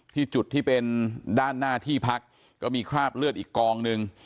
จุดที่เป็นด้านหน้าที่พักก็มีคราบเลือดอีกกองหนึ่ง